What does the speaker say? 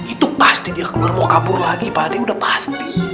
itu pasti dia keluar mau kabur lagi pak ade udah pasti